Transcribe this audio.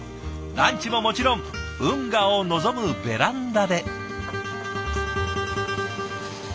ランチももちろん運河を望むベランダで。